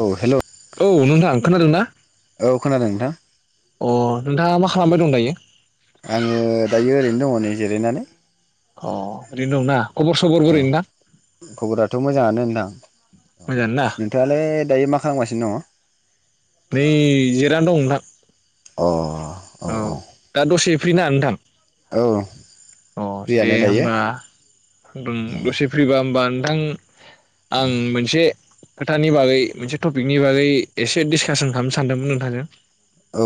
औ हेल' औ नोंथां खोनादों ना? औ खोनादों नोंथां अ नोंथाङा मा खालामबाय दं दायो? आङो दायो ओरैनो दङ नै जिरायनानै अ ओरैनो दंना? खबर सबर औ बोरै नोंथां खबराथ मोजाङानो नोंथां औ मोजां ना नोंथाङालाय दायो मा खालामगासिनो दङ? नै जिरायना दं नोंथां अ औ दा दसे फ्रिना नोंथां औ अ दे फ्रियानो दायो होमबा दसे फ्रिबा होमबा नों आं आं मोनसे खोथानि बागै मोनसे टपिकनि बागै एसे डिसकासन खालामनो सानदोंमोन नोंथांजों औ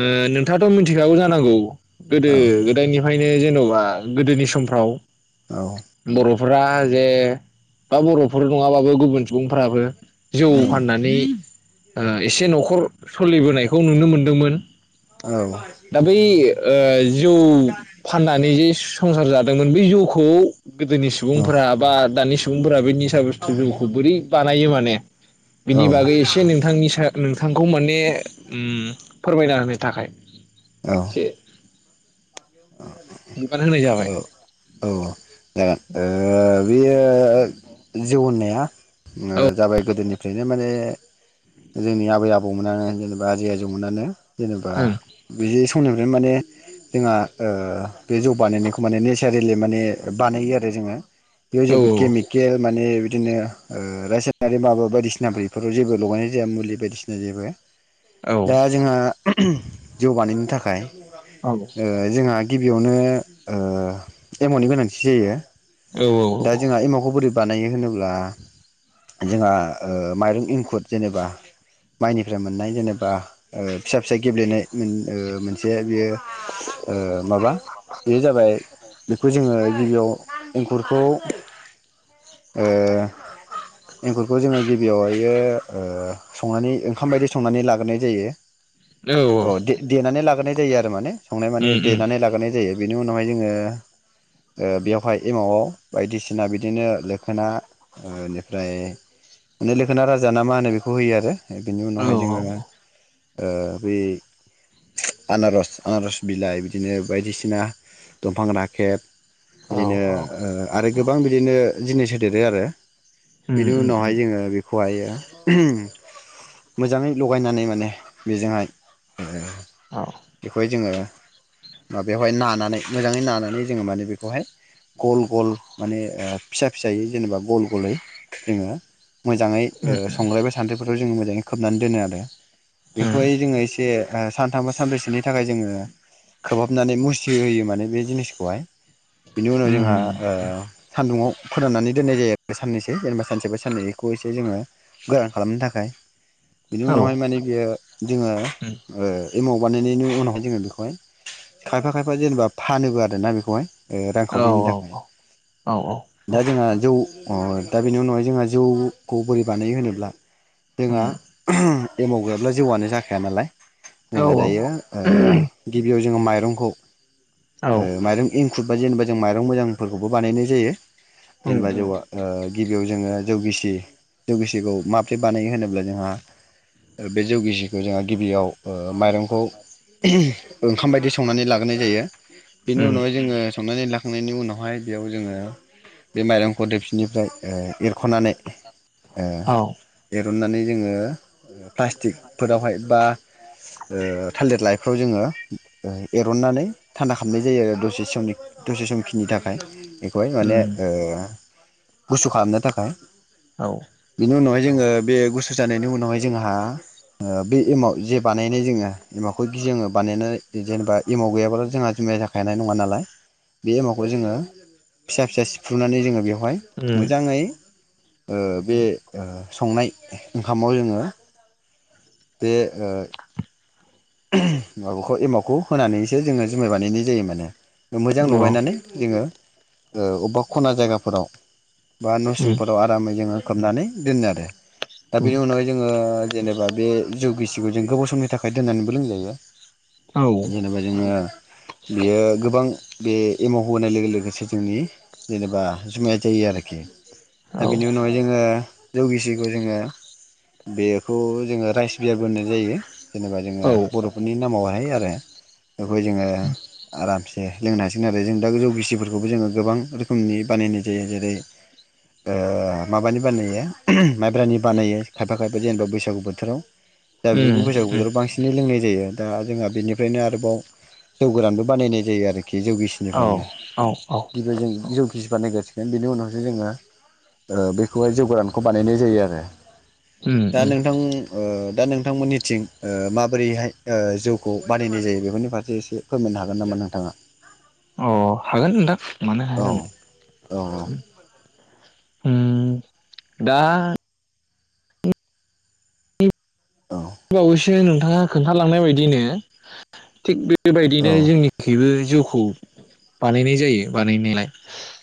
ओ नोंथाङाथ मिथिखागौ जानांगौ औ गोदो गोदायनि खायनो जेनबा गोदोनि समफ्राव औ फ्रा जे बा बर'फोर नङाबाबो गुबुन सुबुंफोराबो जौ औ फाननानै ओ एसे न'खर सलिबोनायखौ नुनो मोनदोंमोन। औ दा बै ओ जौ फाननानै जे संसार जाद दांमोन बे जौखौ गोदोनि सुबुंफोरा बा दानि सु सुबुंफोरा बेनि स सा गुस्थु जौखौ बोरै बानायो माने बिनि औ बागै एसे नोंथांनि सा नोंथां खौ माने ओम फोरमायना होनो थाखाय से अ अ अ औ औ जागोन। ओ बियो ओ ओ ओ जौ होननाया। आ औ ओ जाबाय गोदोनिफ्रायनो माने जोंनि आबै आबौमोना जेनेबा आजै आजौमोनानो जेनेबा ओं बिदि समनिफ्रायनो माने जोंहा ओ बे जौ बानायनायखौ माने नेचारेलि माने बानायो आरो जोङो। बेयाव औ जेबो केमिकेल माने बि दिनो ओ रासायनारि माबा बायदिसिना बेफोराव जेबो लगायनाय जाया मुलि बायदिसिना जेबो औ दा जोंहा जौ बानायनो थाखाय औ ओ जोंहा गिबियावनो ओ एमावनि गोनांथि जायो। औ औ दा औ जोंहा एमावखौ बोरै बानायो होनोब्ला जोंहा ओ माइरं इंखुर जेनेबा माइनिफ्राय मोननाय जेनेबा ओ फिसा फिसा गेब्लेनाय मोन ओ मोनसे बेयो ओ माबा बेयो जाबाय बेखौ जोङो गिबियाव ओं एंखुरखौ ओ एंखुरखौ जोङो गिबियावहायो ओ संनानै ओंखाम बायदि संनानै लाग्रोनाय जायो उम अ दे-देनानै लाग्रोनाय जा जायो आरो माने संनाय माने उम देनानै लाग्रोनाय जायो बेनि उनावहाय जोङो ओ बेयावहाय एमावआव बायदिसिना बिदिनो लोखोना ओ इनिफ्राय माने लोखोना राजा ना मा होनो बेखौ होयो आरो बिनि औ उनावहाय जोङो ओ बै आनारस आनारस बिलाइ बिदिनो बायदिसिना दंफां राखेब औ बिदिनो औ ओ आरो गोबां बिदिनो जिनिस होदेरो आरो उम बेनि उम उम उनावहाय जोङो बेखौ बहायो मोजाङै लगायनानै माने बेजोंहाय औ [inaudible] बेखौहाय जोङो माबायावहाय नानानै मोजाङै नानानै जोङो माने बेखौहाय गल गल माने ओ फिसा फिसायै जेनेबा गल गलै जोङो मोजाङै ओ उम संग्रायबो सान्द्रिबोथ जों मोजाङै खोबनानै दोनो आरो बेखौहाय जोङो एसे [unintelligible] सानथामबा सानब्रैसोनि थाखाय जोङो खोबहाबनानै मुसि होयो माने बे जिनिसखौहाय। बिनि उनाव जों उम उम आ-ओ सान्दुङाव फोराननानै दोननाय जायो साननैसो जेनेबा सानसे बा साननैसैखौ एसे जोङो गोरान खालामनो थाखाय। बिनि औ उनावहाय माने बियो जोङो उम ओ एमाव बानायनायनि उनावहाय जोङो बेखौहाय खायफा खायफा जेनेबा फानोबो आरोना बेखौहाय। औ रांखावरिनि दां औ औ औ उ अ दा बेनि उनावहाय जोंहा जौखौ बोरै बानायो होनोब्ला? उम जोंहा [unintelligible] एमाव गैयाब्ला जौआनो जाखाया नालाय। औ जोङो दायो ओ गिबियाव जोङो माइरंखौ औ ओ माइरं इन खुरबा जेनेबा जों माइरं मोजां फोरखौबो बानायनाय जायो। उम जेनेबा उम जौवआ ओ गिबियाव जोङो जौगिसि जौगिसिखौ माब्रै बानायो होनोब्ला जोंहा बे जौगिसिखौ जोंहा गिबियाव ओ माइरंखौ ओंखाम बायदि संनानै लागोरनाय जायो। बेनि उम उनावहाय जोङो संनानै लाख थांनायनि उनाव बेहाय बेयाव जोङो बे माइरंखौ दोफसिनिफ्राय ओ एर खखनानै ओ औ एरननानै जोङो प्लास्टिखफोरावहाय बा ओ थालिर लाइ फाव जोङो एरननानै थान्दा खामनाय जायो आरो दसे समनि दसे समखिनि थाख [unintelligible] खौहाय उम औ उम माने ओ गुसु खालामनो थाखाय औ बिनि उनावहाय जोङो बे गुसु जानायनि उनावहाय जोंहा ओ बे एमाव जे बानायनाय जोङो एमावखगि जोङो बानायनाय जेनेबा एमाव गैयाथ जोंहा जुमाया जाखानाय नङा नालाय बे एमावखौ जोङो फिसा फिसा सिफ्रुनानै जोङो बेयाव हाय उम उम औ मोजांयै ओ बे ओ संनाय ओंखामाव जोङो बे ओ माबाखौ एमावखौ होनानैसो जोङो जुमाय बानायनाय जायो माने मोजां औ लगायनानै जोङो ओ अबेबा खना जायगाफोराव बा उम नसिंफोराव आरामै जोङो खोबनानै दोनो आरो दा उम बेनि उनावहाय जोङो जेनेबा बे जौ गिसिगौ जों गोबाव समनि थाखाय दोननानै बो लों जायो औ जेनेबा जोङो बेयो गोबां बे एमावखौ होनाय लोगो लोगोसे जोंनि जेनेबा जुमाया जायो आरोखि दा बेनि उनावहाय जोङो जौगिसिखौ जोङो बेखौ जोङो राइस बियार बो होननाय जायो जेनेबा जोङो बरफोरनि नामावहाय आरो बे बेवहाय जोङो आरामसे लोंनो हासिगोन आरो जों दा जौ गिसिफोरखौबो जोङो गोबां रोखोमनि बानायनाय जायो जेरै ओ माबानि बानायो माइब्रानि बानायो खायफा खायफा जेनेबा बैसागु बोथोराव दा बे बैसागु बोथोराव बांसिनयै लोंनाय जायो दा जोंहा बेनिफ्रायनो आरोबाव जौ गोरानबो बानायनाय जायो आरोखि खि जौगिसिनिफ्रायनो औ गिबियाव जों जौ गिसि बानाय [unintelligible] बिनि उनावसो जोङो ओ बेखौहाय जौगोरानखौ बानायनाय जायो आरो उम दा उम नोंथां ओ दा नोंथांमोननिथिं ओ माबोरैहाय ओ जौखौ बानायनाय जायो बेफोरनि फारसे एसे फोरमायनो हागोन नामा नोंथाङा अ हागोन नोंथां मानो हाया औ जानो औ दा औ बावैसो नोंथाङा खोन्थालांनाय बायदिनो थिग बे औ बेबायदिनो जोंनिखिबो जौ खौ बानायनाय जायो बानायनायालाय।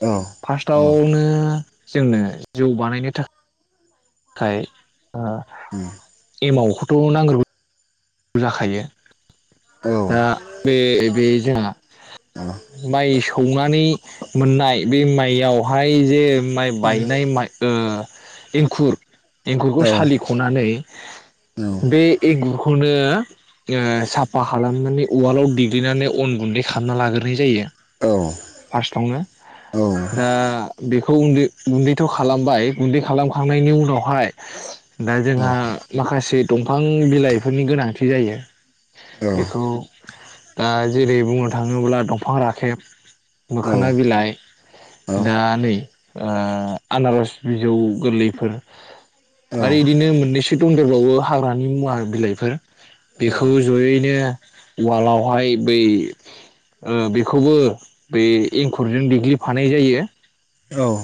औ औ फार्स्टआवनो जोंनो जौ बानायनो थाख खाय ओ [inaudible] एमावखौथ नांग्रोगु [unintelligible] खायो औ दा बे बे जोंहा माइ सौनानै मोननाय बे माइयावहाय जे माइ बायनाय माइ ओ इंखुर एंखुरखौ सालिखनानै बे एगुरखौनो ओ साब फा खालामनानै उवालाव देग्लिनानै अन गुन्दै खालामना लागोरनाय जायो। फार्स्टावनो दा बेख खौन्दो गुन्दैथ खालामबाय गुन्दै खालामखांनायनि उनावहाय दा जोंहा माखासे दंफां बिलाइफोरनि गोनांथि जायो। बेखौ दा जेरै बुंनो थाङोब्ला दंफां राखेब मोखोना बिलाइ औ दा नै ओ आनारस बिजौ गोरलैफोर औ आरो इदिनो मोननैसो दंदेरबावो हाग्रानि मुवा बिलाइफोर औ बेखौ जयैनो उवालावहाय बै ओ बेखौबो बे एंखुरजों देग्लिफानाय जायो। औ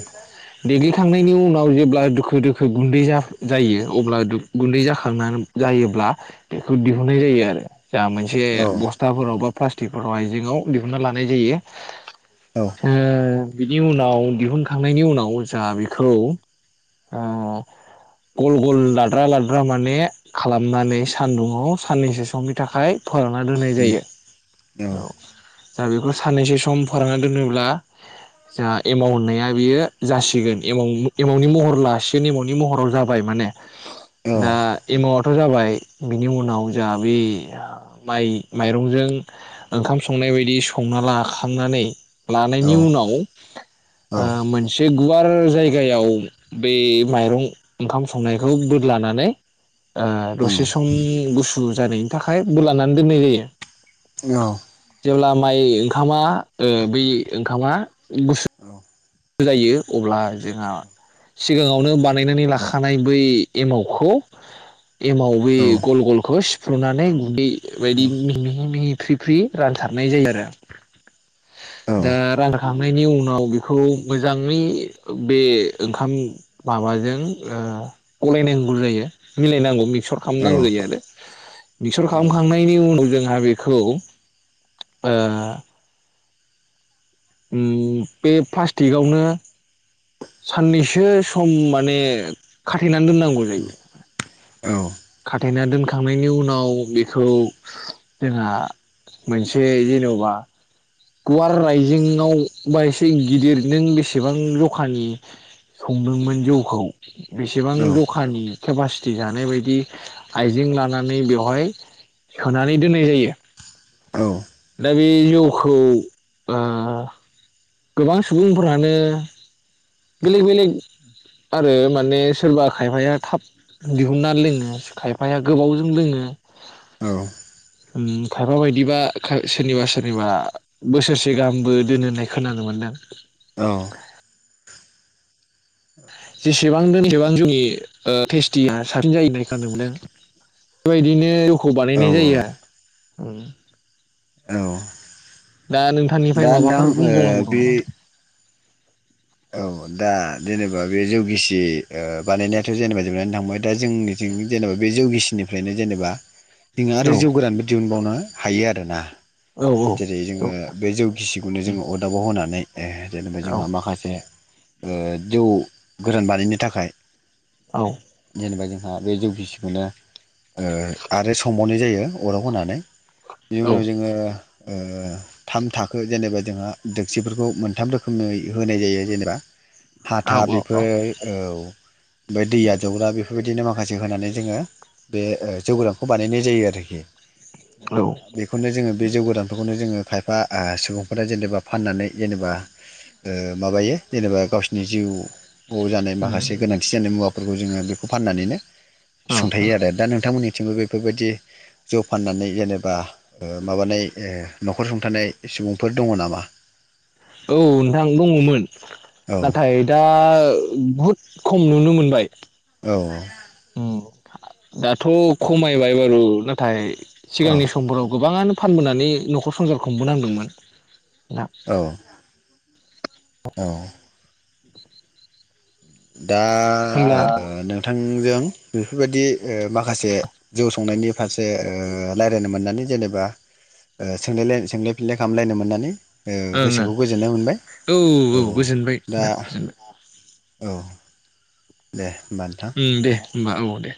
देग्लिखांनायनि उनाव जेब्ला दोखो दोखो गुन्दै जा जायो अब्ला दु गुन्दै जाखांना जायोब्ला बेखौ दिहुननाय जायो आरो। जा मोनसे बस्थाफोरावबा प्लास्टिखफोराव आइजेङाव दिहुनन्ना लानाय जायो। हो बिदि उनाव दिहुनखांनायनि उनाव जा बेखौ ओ गल गल लाद्रा लाद्रा माने खालामनानै सान फोराना दोननाय जायो औ जाहा बेखौ साननैसो सम फोरानना दोनोब्ला जाहा एमाउ होननाया बियो जासिगोन एमाउ, एमाउनि महर लासिगोन, एमाउ नि महराव जाबाय माने दा एमाव थ जाबाय बिनि उनाव जोंहा बै माइ माइरंजों ओंखाम संनाय बायदि संना लाखांनानै लानायनि उनाव ओ मोनसे गुवार जायगायाव बे माइरं ओंखाम संनायखौ बोदलानानै ओ दसेसमनि गुसु जानायनि थाखाय बोलानानै दोननाय जायो। औ जेब्ला माइ ओंखामा ओ बै ओंखामा गुसु जायो अब्ला जोंहा सिगाङावनो बानायनानै लाखानाय बै एमावखौ एमाव बै गल गलखौ सि फ्रुनानै गुन्दै बायदि मि मिहि फ्रि फ्रि रानसारनाय जायो आरो दा [unintelligible] खांनायनि उनाव बेखौ मोजाङै बे ओंखाम माबाजों ओ गलायननांगौ जायो मिलायनांगौ मिक्सर खालामनांगौ जायो आरो बिक्सर खालामखांनायनि उनाव जोङो दा बेखौ ओ उम बे प्लास्टिकावनो साननैसो सम माने खाथेनानै दोननांगौ जायो खाथेना दोनखांनायनि उनाव बेखौ जोंहा मोनसे जेनबा गुवार आइजेंआव बा एसे गिदिर नों बेसेबां जखानि संदोंमोन जौखौ बेसेबां जखानि केपासिटि जानाय बायदि आइजें लानानै बेवहाय सोनानै दोननाय जायो। दा बे जौखौ ओ गोबां सुबुंफोरानो बेलेग बेलेग आरो माने सोरबा खायफाया थाब दिहुननानै लोङो खायफाया गोबावजों लोङो उम खायफा बायदिबा खा सोरनिबा सोरनिबा बोसोरसे गाहामबो दोनो होननाय खोनानो मोनदों। औ जेसेबां दोनो एसेबां जोंनि ओ टेस्टिया साबसिन जायो होननाय खोनानो मोनदों बेबायदिनो जौखौ बानायनाय औ औ जायो दा नोंथांनिफ्राय दा माबाफोर नोंथां ओ बुंबावनांगौ दं बे नामा औ दा जेनेबा बे जौगिसि ओ बानायनायाथ जेनेबा जोबनानै थांबाय दा जोंनिथिं जेनेबा बे जौगिसिनिफ्रायनो जेनेबा जोङो औ आरो जौ गोरानबो दिहुनबावना हायो आरोना औ जेरै जोङो बे जौ गिसिखौनो जोङो अरदाबाव होनानै ओ जेनेबा औ जोंहा माखासे ओ जौ खौ गोरान बानायनो थाखाय जेनेबा जों आ बे जौ गिसिखौनो ओ आरो संबावनाय जायो अराव होनानै। बिनि उनाव जोङो ओ थाम थाखो जेनेबा जोंहा दक्सिफोरखौ मोनथाम रोखोमै होनाय जायो। जेनेबा औ हाथा औ बेफोर औ ओमफाय दै आजावग्रा बेफोर बायदिनो माखासे होनानै जोङो बे ओ जौ गोरानखौ बानायनाय जायो आरोखि दा बेखौनो जोङो बे जौ गोरानफोरखौनो जोङो खायफा ओ सुबुंफोरा जेनेबा फाननानै जेनेबा ओ माबायो जेनेबा गावसिनि जिउ [unintelligible] जानाय उम माखासे गोनांथि जानाय मुवा फोरखौ जोङो बेखौ फाननानैनो औ औ सुंथायो आरो दा नोंथांमोननि थिंबो बेफोरबायदि जौ फाननानै जेनेबा ओ माबानाय ओ नखर सुंथानाय सुबुंफोर दङ नामा? औ नोंथां दङमोन औ नाथाय दा बहुत खम नुनो मोनबाय औऔ ओम दाथ' खमायबाय बारु नाथाय औ सिगांनि समफोराव गोबाङानो फानबोनानै नखर संसार खुंबोनांदोंमोन। ना औ औ दा ओ होमब्ला नोंथां नोंजों बेफोरबायदि ओ माखासे जौ संनायनि फारसे ओ रायलायनो मोननानै जेनेबा ओ सोंलायलाय सोंलाय फिनलाय खालामलायनो मोननानै ओ ओं गोसोखौ गोजोननाय मोनबाय ओं औ औ गोजोनबाय दा गोजोनबाय औ दे होनबा नोंथां होनबा औ दे